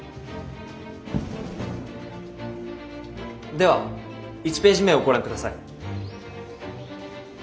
では１ページ目をご覧ください。